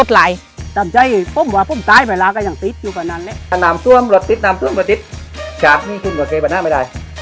จากมีจุดประโยชน์อ๑๙๘ไม่ได้